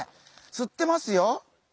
吸ってますよ。